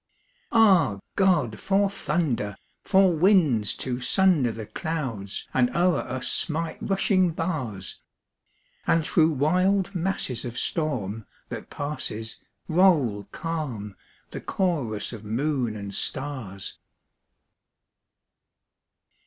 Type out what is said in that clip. Ah, God! for thunder! for winds to sunder The clouds and o'er us smite rushing bars! And through wild masses of storm, that passes, Roll calm the chorus of moon and stars.